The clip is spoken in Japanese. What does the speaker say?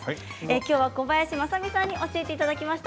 きょうは小林まさみさんに教えていただきました。